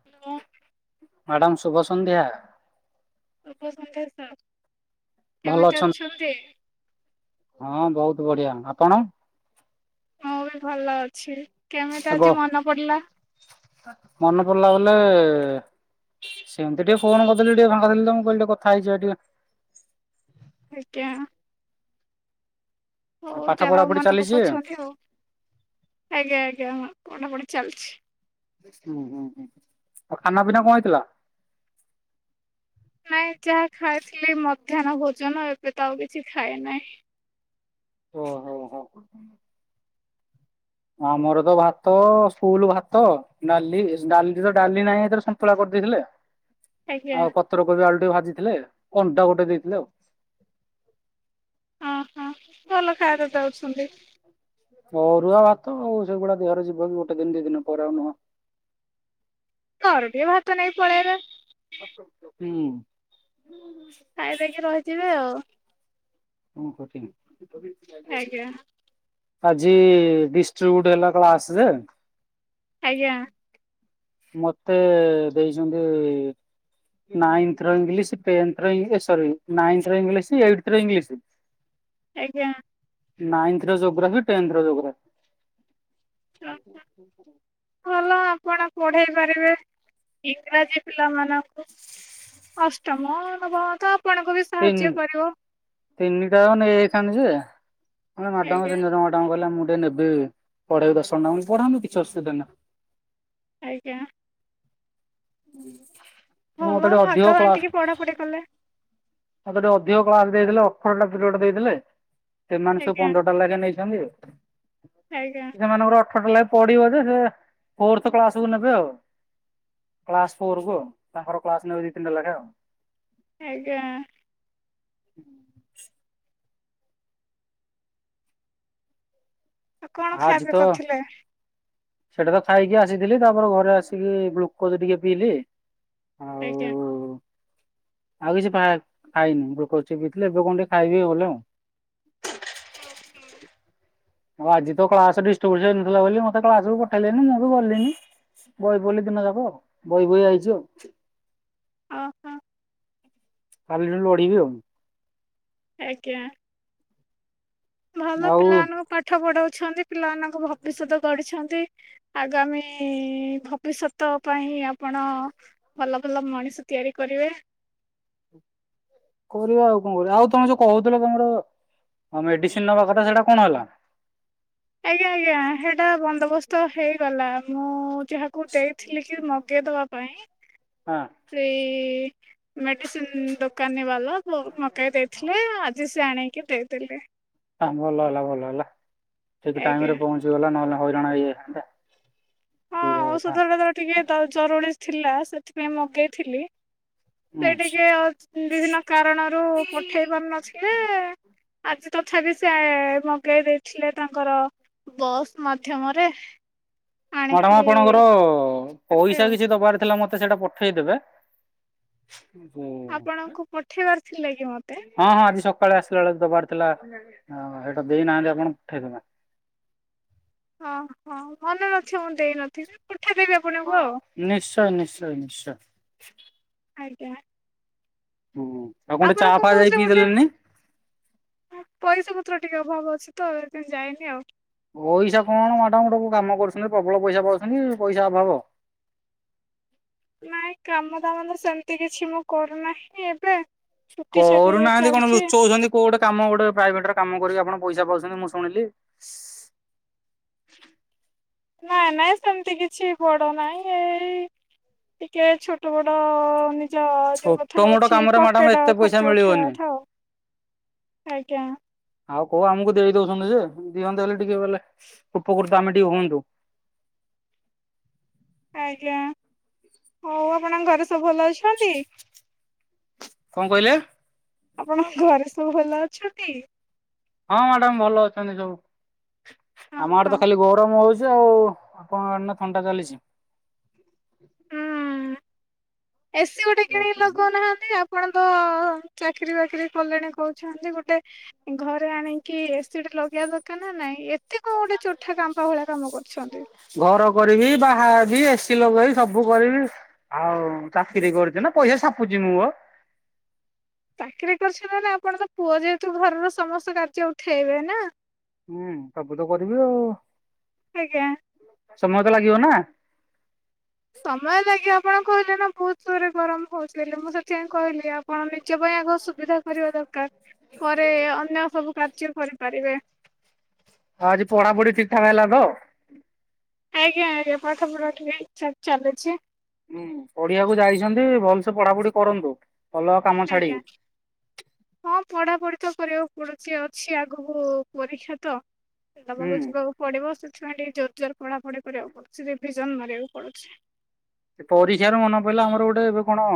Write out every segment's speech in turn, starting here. [inaudible] Madam ଶୁଭ ସନ୍ଧ୍ୟା। ଶୁଭ ସନ୍ଧ୍ୟା ସାର୍। ଭଲ ଅଛନ୍ତି ତ? ହଁ ବହୁତ ବଢିଆ। ଆପଣ? ମୁଁ ବି ଭଲ ଅଛି। କେମିତି ଆଗ ଆଜି ମନ ପଡ଼ିଲା? ମନେ ପଡିଲା ବେଲେ ସେମିତି ଟିକେ ଫୋନ୍ କରିଦେଲି ଟିକେ ଫାଙ୍କା ଥିଲି ତ ମୁଁ କହିଲ ଟିକେ କଥା ହେଇଯିବା ଟିକେ। ଆଜ୍ଞା। ହଉ ପାଠ ପଢା ଯାହା ହୋଉ ପଢି ମନେ ଚାଲିଛି ପକଉଛନ୍ତି ଆଉ। ଆଜ୍ଞା ଆଜ୍ଞା, ହ ପଢା ପଢି ଚାଲିଛି। ହୁଁ ହୁଁ ହୁଁ। ଆଉ ଖାନା ପିନା କଣ ହେଇଥିଲା? ନାଇଁ ଯାହା ଖାଇଥିଲି ମଧ୍ୟାହ୍ନ ଭୋଜନ, ଏବେ ତ ଆଉ କିଛି ଖାଏ ନାହିଁ। ଓ ହୋ ହୋ। ଆମର ତ ଭାତ ସ୍କୁଲ ଭାତ ଡାଲି ଡାଲି ତ ଡାଲି ନାହିଁ ଏଥି ସନ୍ତୁଳା କରିଦେଇଥିଲେ। ଆଜ୍ଞା। ଆଉ ପତ୍ରକୋବି ଆଳୁ ଟିକେ ଭାଜିଥିଲେ, ଅଣ୍ଡା ଗୋଟେ ଦେଇଥିଲେ ଆଉ। ଉଁ ହୁଁ। ଭଲ ଖାଇବା ତ ଦୋଉଛନ୍ତି। ଅରୁଆ ଭାତ, ଆଉ ସେଇଗୁଡା ଦେହରେ ଯିବନି ଦିନ ଦି ଦିନ ପରେ ଆଉ ନୁହଁ। ଥରୁ ଟିଏ ଭାତ ନେଇ ପଳେଇ ଆଇଲ ହୁଁ। ଖାଇ ଦେଇକି ରହିଯିବେ ଆଉ। କ କଠିନ। ଆଜ୍ଞା ଆଜି ଡିଷ୍ଟ୍ରିବ୍ୟୁଟ ହେଲା କ୍ଲାସ୍ ରେ ଆଜ୍ଞା। ମତେ ଦେଇଛନ୍ତି ନାଇଁଥିର ର ଇଂଲିଶ ପେନ୍ଥ ର ଇଂଲିଶ, ସରୀ ନାଇଁଥିର ଇଂଲିଶ, ଏଇଟ୍ଥର ଇଂଲିଶ। ଆଜ୍ଞା। ନାଇଁଥିର ଜୋଗ୍ରାଫି ଟେନ୍ଥ ର ଜୋଗ୍ରାଫି। [inaudible] ଭଲ ଆପଣ ପଢ଼େଇ ପାରିବେ, ଇଂରାଜୀ ପିଲାମାନଙ୍କୁ। ଅଷ୍ଟମ ନବମ ତ ଆପଣଙ୍କୁ ବି ତିନି ସାହାଯ୍ୟ କରିବ। ତିନିଟା ଜାକ ନେଇଯାଇଥାନ୍ତି ଯେ ହେଲେ ମାଡମ ଆଜ୍ଞା ତିନି ମ୍ୟାଡମ୍ କହିଲେ ମୁଁ ଟିକେ ନେବି, ପଢେଇବି ଦସମଟା, ପଢାନ୍ତୁ କିଛି ଅସୁବିଧା ନା ଆଜ୍ଞା। ମତେ ଟିକେ ଅଧିକ କ୍ଲାସ ପଢାପଢ଼ି କଲେ ମତେ ଟିକେ ଅଧିକ କ୍ଲାସ ଦେଇଥିଲେ। ଅଠରଟା ପିରିୟଡ ଦେଇଥିଲେ, ସେମାନେ ସବୁ ଆଜ୍ଞା ପନ୍ଦରଟା ଲାଗା ନେଇଛନ୍ତି। ଆଜ୍ଞା। ପିଲା ମାନଙ୍କର ଅଠରଟା ଲାଗା ପଡିବ ଯେ ସେ ଫୋର୍ଥ କ୍ଲାସକୁୁ ନେବେ ଆଉ। କ୍ଲାସ ଫୋର କୁ ଆଉ ତାଙ୍କର କ୍ଲାସ ନେବେ ଦି ତିନି ଟା ଲାଖା ଆଉ। ଆଜ୍ଞା। ହୁଁ। ଆଉ କଣ ଆଜି ଖାଇବା ତ କରିଥିଲେ ସେଇଟା ତ ଖାଇକି ଆସିଥିଲି ତାପରେ ଘରେ ଆସିକି ଗ୍ଲୁକୋଜ ଟିକେ ପିଇଲି। ଆ ଆଜ୍ଞା। ହୁଁ। ଆଉ କିଛି ଫା ଖାଇନି ଗ୍ଲୁକୋଜ ଟିକେ ପିଇଥିଲି, ଏବେ କଣ ଟିକେ ଖାଇବି ଗଲେ ଆଉ। ହୁଁ ହୁଁ। ଆଉ ଆଜି ତ କ୍ଲାସ ଡିଷ୍ଟିବ୍ୟୁଟ ହେଇନଥିଲା ବୋଲି ମତେ କ୍ଲାସ୍ କୁ ପଠେଇଲେନି ମୁଁ ବି ଗଲିଣିି। ବଇ ପଡ଼ିଲି ଦିନଯାକ ବଇ ବଇ ଆଇଚି ଆଉ। ଓହୋ। କାଲି ଠୁ ଲଢିବି ଆଉ। ଆଜ୍ଞା। ଭଲ ଆଉ ପିଲାମାନଙ୍କୁ ପାଠ ପଢଉଛନ୍ତି। ପିଲାମାନଙ୍କ ଭବିଷ୍ୟତ ଗଢିଛନ୍ତି। ଆଗାମୀ ଭବିଷ୍ୟତ ପାଇଁ ଆପଣ ଭଲ ଭଲ ମଣିଷ ତିଆରି କରିବେ। କରିବା ଆଉ, କଣ କରିବା। ଆଉ ତମେ ଯୋଉ କହୁଥିଲ ତମର ମେଡିସିନ ନବା କଥା ସେଇଟା କଣ ହେଲା? ଆଜ୍ଞା ଆଜ୍ଞା। ସେଇଟା ବନ୍ଦୋବସ୍ତ ହେଇଗଲା ମୁଁ ଯାହା କୁ ଦେଇଥିଲି କି ମଗେଇଦବା ପାଇଁ। ହଁ। ସେ ମେଡ଼ିସିନ ଦୋକାନୀ ବାଲା ମ ମଗେଇ ଦେଇଥିଲେ ଆଜି ସେ ଆଣିକି ଦେଇଦେଲେ। ଆ ଭଲ ହେଲା ଭଲ ହେଲା ଠିକ୍ ଆଜ୍ଞା ଟାଇମରେ ପହଞ୍ଚିଗଲା ନହେଲେ ହଇରାଣ ହେଇଯାଇଥାନ୍ତେ। ହଁ ଔଷଧଟା ତାର ଟିକେ ତାର ଜରୁରୀ ଥିଲା ସେଥିପାଇଁ ମଗେଇଥିଲି। ସେ ହୁଁ ଟିକେ ଅ ବିଭିନ୍ନ କାରଣରୁ ପଠେଇ ପାରୁ ନ [inaudible] ଆଜି ତଥାପି ସେ ମଗେଇ ଦେଇଥିଲେ ତାଙ୍କର। ବସ୍ ମାଧ୍ୟମରେ। ମ୍ୟାଡାମ ଆଣିକି ଆପଣଙ୍କର ଦେଲେ ପଇସା ଆଉ। କିଛି ଦବାର ଥିଲା ମତେ ସେଇଟା ପଠେଇଦେବେ। ହୁଁ। ଆପଣଙ୍କୁ ପଠେଇବାର ଥିଲା କି ମତେ? ହଁ, ହଁ ଆଜି ସକାଳେ ଆସିଲା ବେଳୁ ଦେବାର ଥିଲା ସେଇଟା ଦେଇନାହାନ୍ତି ଆପଣ ପଠେଇଦେବେ। ହଁ ହଉ ମନେ ନ ଥିବ ମୁଁ ଦେଇନଥିବି ପଠେଇ ଦେବି ଆ ନିଶ୍ଚୟ, ନିଶ୍ଚୟ, ନିଶ୍ଚୟ। ଆଜ୍ଞା। ହୁଁ। ଆଉ ଖଣ୍ଡେ ଆପଣ ଚା କଣ ଫା ଯାଇ କହୁଥିଲେ ପିଇ ଗୋଟେ ଦେଲେନି। ପଇସା ପତ୍ର ଟିକେ ଅଭାବ ଅଛି ତ ସେଥିପାଇଁ ଯାଇନି ଆଉ। ପଇସା କଣ ମାଡ଼ାମ୍‌ ଗୋଟ କାମ କରୁଛନ୍ତି ପ୍ରବଳ ପଇସା ପାଉଛନ୍ତି ପଇସା ଅଭାବ। ନାଇଁ କାମ ଦାମ ତ ସେମତି କିଛି ମୁଁ କରୁନାହିଁ। ଏବେ। ଛୁଟି ଛାଟି କରୁନାହାନ୍ତି କଣ ଚାଲିଛି ଲୁଚାଉଛନ୍ତି। କୋଉ ଟେ କାମ ଗୋଟେ ପ୍ରାଇଭେଟ୍‌ ରେ କାମ କରିକି ଆପଣ ପଇସା ପାଉଛନ୍ତି ମୁଁ ଶୁଣିଲି। ନାଇଁ ନାଇଁ ସେମିତି କିଛି ବଡ଼ ନାଇଁ। ଏଇ ଟିକେ ଛୋଟ ମୋଟ ଯ ଯୋଉ ଛୋଟ କଥାରେ ମୋଟ ଅଛି କାମରେ ମ୍ୟାଡାମ ପକେଟ ଏତେ ପଇସା ଖର୍ଚ୍ଚ ଉଠେଇବା ମିଳିବନି କଥା ଆଉ। ଆଜ୍ଞା। ଆଉ କୋଉ ଆମକୁ ଦେଇ ଦେଉଛନ୍ତି ଯେ ଦିଅନ୍ତେ ହେଲେ ଟିକେ ବୋଲେ ଉପକୃତ ଆମେ ଟିକେ ହୁଅନ୍ତୁ। ଆଜ୍ଞା। ଆଉ ଆପଣଙ୍କ ଘରେ ସବୁ ଭଲ ଅଛନ୍ତି? କଣ କହିଲେ? ଆପଣଙ୍କ ଘରେ ସବୁ ଭଲ ଅଛନ୍ତି? ହଁ ମ୍ୟାଡ଼ାମ ଭଲ ଅଛନ୍ତି ସବୁ। ହଁ ଆମ ଆଡ଼େ ହଁ ତ ଖାଲି ଗରମ ହଉଚି ଆଉ। କଣ [unintelligible] ନା ଥଣ୍ଡା ଚାଲିଚି। ହୁଁ ଏସିି ଗୋଟେ କିଣିକି ଲଗଉ ନାହାନ୍ତି। ଆପଣ ତ ଚାକିରୀ ବାକିରି କଲେଣି କହୁଛନ୍ତି। ଗୋଟେ ଘରେ ଆଣିକି ଏସି ଟେ‌ ଲଗେଇବା ଦରକାର ନା ନାଇଁ। ଏତେ କଣ ଗୋଟେ ଚୋଠା କାମ୍ପା ଭଳିଆ କାମ କରୁଛନ୍ତି। ଘର କରିବି ବାହାହେବି ଏସି ଲଗେଇବି ସବୁ କରିବି। ଆଉ ଚାକିରି କରୁଚି ନା ପଇସା ଛାପୁଚି ମୁଁ। ଚାକିରି କରିଛନ୍ତି ନା ଆପଣ ତ ପୁଅ ଯେହେତୁ ଘରର ସମସ୍ତ କାର୍ଯ୍ୟ ଉଠେଇବେ ନା। ହୁଁ ସବୁ ତ କରିବି ଆଉ। ଆଜ୍ଞା। ସମୟ ତ ଲାଗିବ ନା। ସମୟ ଲାଗେ ଆପଣ କହିଲେ ନା ବହୁତ ଜୋର୍ ରେ ଗରମ ହଉଚି ମୁଁ ସେଥିପାଇଁ କହିଲି। ଆପଣ ନିଜ ପାଇଁ ଆଗ ସୁବିଧା କରିବା ଦରକାର। ପରେ ଅନ୍ୟ ସବୁ କାର୍ଯ୍ୟ କରିପାରିବେ। ଆଉ ଆଜି ପଢ଼ାପଢ଼ି ଠିକ୍ ଠାକ୍ ହେଲା ତ? ଆଜ୍ଞା ଆଜ୍ଞା ପାଠପଢ଼ା ଠିକ୍ ଠାକ୍‌ ଚାଲିଚି। ହୁଁ ପଢିବାକୁ ଯାଇଛନ୍ତି ଭଲସେ ପଢ଼ାପଢ଼ି କରନ୍ତ। ଭଲ କାମ ଛାଡିକି ଆଜ୍ଞା। ହଁ ପଢ଼ାପଢ଼ି ତ କରିବାକୁ ପଡୁଚି ଅଛି ଆଗକୁ ପରୀକ୍ଷା ତ। ବାକୁ ହୁଁ। ଯିବାକୁ ପଡ଼ିବ ସେଥିପାଇଁ ଟିକେ ଜୋର୍‌ ଜୋର୍‌ ପଢ଼ା ପଢ଼ି କରିବାକୁ ପଡୁଚି ରିଭିଜନ୍‌ ମାରିବାକୁ ପଡୁଚି। ପରୀକ୍ଷା ରୁ ମନେ ପଡ଼ିଲା ଆମର ଗୋଟେ ଏବେ କଣ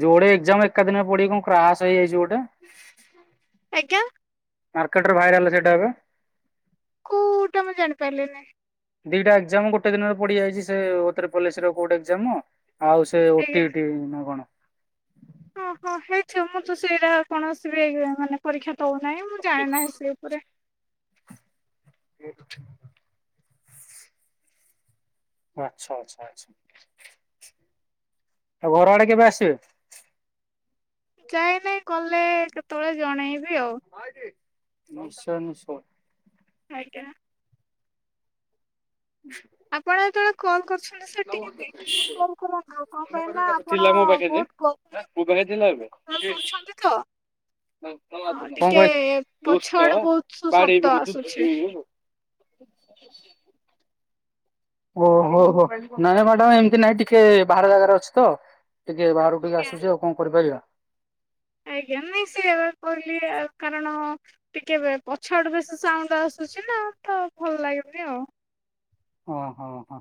ଯୋଡ଼େ ଏକ୍ଜାମ ଏକା ଦିନ ପଡ଼ି କଣ କ୍ରାସ୍‌ ହେଇଯାଇଛି ଗୋଟେ। ଆଜ୍ଞା। ମାର୍କେଟ୍ ରେ ଭାଇରାଲ୍ ସେଇଟା ଏବେ। କୋଉଟା ମୁଁ ଜାଣି ପାରିଲିିନି। ଦିଟା ଏକ୍ଜାମ ଗୋଟେ ଦିନରେ ପଡ଼ି ଯାଇଛି ସେ ଓଟ୍ରିପଲ୍ ଏସି ବୋର୍ଡ଼ ଏଜାମ୍‌ ଆଉ ସେ ଆଜ୍ଞା। ଓଟିଇଟି ନା କଣ? ହଁ, ହଁ ହେଇଥିବ ମୁଁ ତ ସେଇରା କୌଣସି ବି ମାନେ ପରୀକ୍ଷା ଦେଉନାହିଁ ମୁଁ ଜାଣେ ନାହିଁ ଆଚ୍ଛା ସେ ପୁରେ ଗିଫ୍ଟି ଆଛା, ଆଛା, ଆଛା ଆଉ ଘର ଆଡ଼େ କେବେ ଆସିବେ? ଯାଇ ନାଇଁ ଗଲେ କେତେବେଳେ ଜଣେଇ ବି ଆଉ। ନମସୁ ସ [unintelligible] ଆଜ୍ଞା। ଆପଣ ଯେତେବେଳେ କଲ କରୁଛନ୍ତି ସାର୍ ଟିକେ ଦେଖିକି କଲ୍ କରନ୍ତୁ କଣ ପାଇଁ ନା ଆପଣ ବହୁତ କ [unintelligible] ତ। କଁ ହଁ ଟିକେ ପଛ ଆଡେ ବହୁତ ଶବ୍ଦ ଆସୁଛି। କହିଲେ ଓ ହୋ ହୋ ନାଇ ମ୍ୟାଡ଼ାମ ଏମିତି ନାଇଁ ଟିକେ ବାହାର ଜାଗାରେ ଅଛି ତ। ଟିକେ ବାହାରୁ ଟିକେ ଆଜ୍ଞା ଆସୁଛି ଆଉ କଣ କରିପାରିବା। ଆଜ୍ଞା ନାଇ ସେ କହିଲି କାରଣ ଟିକେ ପଛଆଡୁ ବେଶୀ ସାଉଣ୍ଡୁ ଆସୁଛି ନା ତ ଭଲ ଲାଗୁନି ଆଉ। ଓହୋ ହୋ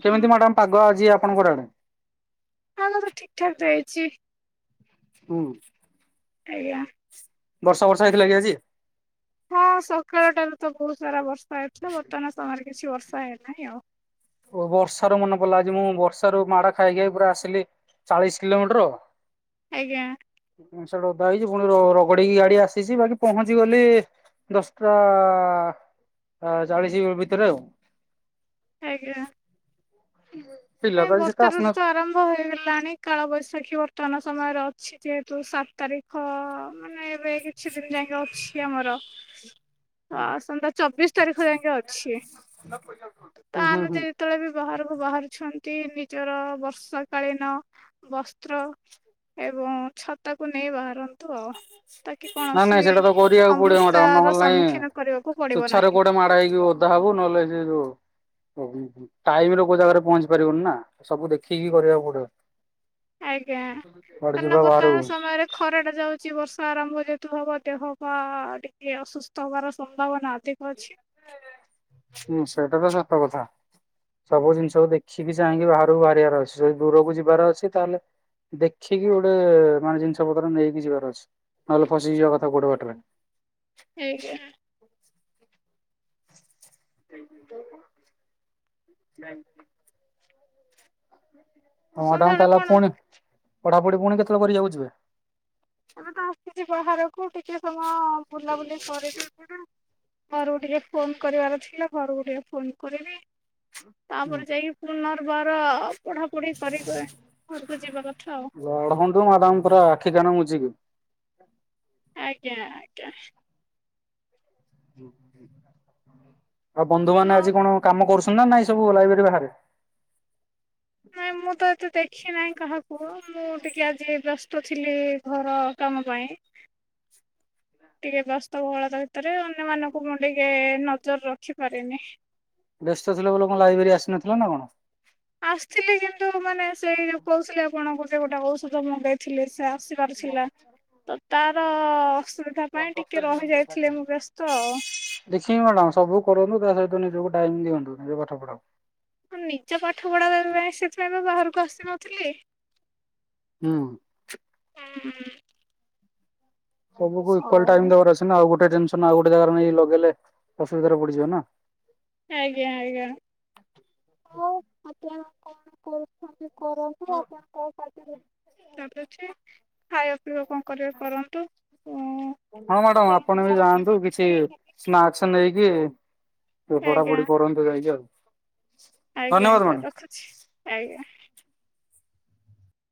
ହଁ କେମିତି ମ୍ୟାଡ଼ାମ ପାଗ ଆଜି ଆପଣଙ୍କ ଆଡେ? ପାଗ ତ ଠିକ୍ ଠାକ୍ ଦେଇଛି। ହୁଁ। ଆଜ୍ଞା। ବର୍ଷା ବର୍ଷା ହେଇଥିଲା କି ଆଜି? ହଁ ସକାଳଟାରୁ ତ ବହୁତ ସାରା ବର୍ଷା ହେଇଥିଲା। ବର୍ତ୍ତମାନ ସମୟରେ କିଛି ବର୍ଷା ହେଇନାହିଁ ଆଉ। ଓ ବର୍ଷାରୁ ମନେ ପଡିଲା ଆଜି ମୁଁ ବର୍ଷାର ମାଡ ଖାଇ ଖାଇ ପୁରା ଆସିଲି ଚାଳିଶ କିଲୋମିଟର ଆଜ୍ଞା। ପେଣ୍ଟ ସାର୍ଟ ଓଦା ହେଇଛି ପୁଣି ର ରଗଡିକି ଗାଡି ଆସିଛି ବାକି ପହଞ୍ଚି ଗଲି ଦଶଟା ଚାଳିଶ ଭିତରେ ଆଉ। ଆଜ୍ଞା। ପିଲା ନାଇ ତ ସେତେ ବର୍ଷା ଋତୁ ତ ଆସିନଥିବେ। ଆରମ୍ଭ ଆ ହେଇଗଲାଣି କାଳବୈଶାଖୀ ବର୍ତ୍ତମାନ ସମୟରେ ଅଛି ଯେହେତୁ ସାତ ତାରିଖ ମାନେ ଏବେ କିଛି ଦିନ ଯାଙ୍କେ ଅଛି ଆମର ଆସନ୍ତା ଚବିଶ ତାରିଖ ଯାଙ୍କେ ଅଛି ତ ହୁଁ ହୁଁ ଆମେ ହୁଁ ଯଦି ଯେତେବେଳେ ବି ବାହାରକୁ ବାହାରୁଛନ୍ତି ନିଜର ବର୍ଷା କାଳୀନ ବସ୍ତ୍ର ଏବଂ ଛତାକୁ ନେଇ ବାହାରନ୍ତୁ ଆଉ। ତାକି ନାଇଁ କୌଣସି ନାଇଁ ସେଇଟା ତ କରିବାକୁ ପଡିବ ମାଡାମ୍। ସମସ୍ୟାର ନହେଲେ ନାଇଁ ସମ୍ମୁଖୀନ କରିବାକୁ ଚୁ ପଡିବ ଛାରେ ନାହିଁ କୋଉଠୁ ମାଡ ହେଇକି ଓଦା ହାବୁ ନହଲେ ସେ ଯଉ ଟାଇମ ରେ କୋଉ ଜାଗାରେ ପହଞ୍ଚି ପାରିବୁନି ନା ସବୁ ଦେଖିକି କରିବାକୁ ପଡିବ। ଆଜ୍ଞା। କୁଆଡେ କାରଣ ଯିବା ବାହାରକୁ ବର୍ତ୍ତମାନ ସମୟରେ ଖରାଟା ଯାଉଛି ବର୍ଷା ଆରମ୍ଭ ଯେହେତୁ ହବ ଦେହପା ଟିକେ ଅସୁସ୍ଥ ହବାର ସମ୍ଭାବନା ଅ ଅଧିକ ଅଛି। ହୁଁ ସେଇଟା ତ ସତ କଥା। ସବୁ ଜିନିଷକୁ ଦେଖିକି ଚାହିଁକି ବାହାରକୁ ବାହାରିବାର ଅଛି। ଯଦି ଦୂରକୁ ଯିବାର ଅଛି ତାହେଲେ ଦେଖିକି ଗୋଟେ ମାନେ ଜିନିଷ ପତ୍ର ନେଇକି ଯିବାର ଅଛି ନହେଲେ ଫସିିଯିବା କଥା କୋଉଠି ବାଟରେ। [inaudible] [inaudible] ହଁ ମ୍ୟାଡ଼ାମ ସନ୍ଧ୍ୟାବେଳେ ତାହେଲେ କଣ ପୁଣି ପଢାପଢି ପୁଣି କେତେବେଳେ କରିବାକୁ ଯିବେ? ଏବେ ତ ଆସିଛି ବାହାରକୁ ଟିକେ ସମୟ ବୁଲାବୁଲି କରିକି ଯିବି। ଘରକୁ ଟିକେ ଫୋନ୍ କରିବାର ଥିଲା ଘରକୁ ଟିକେ ଫୋନ୍ କରିବି ତାପରେ ଯାଇକି ପୁନର୍ବାର। ପଢା ପଢି କରି ଘରକୁ ଯିବା କଥା ଆଉ। ପଢନ୍ତୁ ମାଡାମ ପୁରା ଆଖି କାନ ମୁଜିକି ଆଜ୍ଞା ଆଜ୍ଞା। ଆଉ ବନ୍ଧୁ ନ ମାନେ ଆଜି କଣ କାମ କରୁଛନ୍ତି ନା ନାଇଁ। ସବୁ ଲାଇବ୍ରେରୀ ବାହାରେ ନାଇଁ ମୁଁ ତ ଏତେ ଦେଖି ନାହିଁ କାହାକୁ ମୁଁ ଟିକେ ଆଜି ବ୍ୟସ୍ତ ଥିଲି ଘର କାମ ପାଇଁ। [inaudible] ଟିକେ ବ୍ୟସ୍ତବହୁଳତା ଭିତରେ ଅନ୍ୟମାନଙ୍କୁ ମୁଁ ଟିକେ ନଜର ରଖିପାରେନି। ବ୍ୟସ୍ତ ଥିଲ ବୋଲି କଣ ଲାଇବ୍ରେରୀ ଆସିନଥିଲା ନା କଣ? ଆସିଥିଲି କିନ୍ତୁ ମାନେ ସେଇ ଯୋଉ କହୁଥିଲି ଆପଣଙ୍କୁ ଗୋଟେ ଗୋଟେ ଔଷଧ ମଗେଇ ଥିଲି ସେ ଆସିିବାର ଥିଲା ତ ତାର ଅସୁବିଧା ପାଇଁ ଟିକେ ରହି ଯାଇଥିଲି ମୁଁ ବ୍ୟସ୍ତ ଆଉ। ଦେଖିବି ମ୍ୟାଡ଼ାମ ସବୁ କରନ୍ତୁ ତା ସହିତ ନିଜକୁ ଟାଇମ୍ ଦିଅନ୍ତୁ ନିଜ ପାଠ ପଢ଼ାକୁ। ମୁଁ ନିଜ ପାଠପଢ଼ା ପାଇଁ ସେଥିପାଇଁ ତ ବାହାରକୁ ଆସିନଥିଲି। ହୁଁ। ହୁଁ। ସବୁକି ଇକ୍ୱାଲ ଟାଇମ ହଉ। ଦବାର ଅଛି ନା ଆଉ ଗୋଟେ ଟେନସନ୍ ଆଉ ଗୋଟେ ଜାଗାରେ ନେଇ ଲଗେଇଲେ ଅସୁବିଧାରେ ପଡିଯିବେ ନା। ଆଜ୍ଞା ଆଜ୍ଞା ହଉ ଆପଣ କଣ କରୁଛନ୍ତି? କରନ୍ତୁ ନା ଆପଣ କ ପାରେ ଅଛି। ଖାଇବା ପିଇବା କଣ କରିବେ କରନ୍ତୁ ଓ। ହଁ ମ୍ୟାଡ଼ାମ ଆପଣ ବି ଯାଆନ୍ତୁ କିଛି ସ୍ନାକ୍ସ ନେଇକି ହେବେ ଆଜ୍ଞା ପଢାପଢି କରନ୍ତୁ ଯାଇକି ଆଉ। ଆଜ୍ଞା ଧନ୍ୟବାଦ ମ୍ୟାଡ଼ାମ୍ ଆଜ୍ଞା ରଖୁଛି ଆଜ୍ଞା।